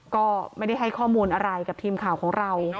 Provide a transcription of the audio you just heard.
ก็ไม่ได้ให้ข้อมูลอะไรกับทีมข่าวของเรา